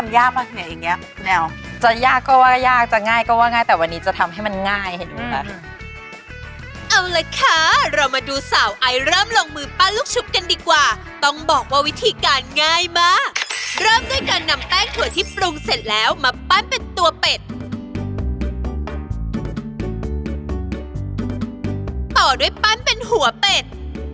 อย่างเนี้ยแนวจะยากก็ว่ายากจะง่ายก็ว่าง่ายแต่วันนี้จะทำให้มันง่ายเอาละค่ะเรามาดูสาวไอเริ่มลองมือปั้นลูกชุบกันดีกว่าต้องบอกว่าวิธีการง่ายมากเริ่มด้วยการนำแป้งถั่วที่ปรุงเสร็จแล้วมาปั้นเป็นตัวเป็ดต่อด้วยปั้นเป็นหัวเป็ด